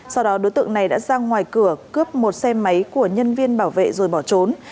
sau đó đối tượng này đã ra ngoài cửa cướp một xe máy của nhân viên bảo vệ rồi bỏ trốn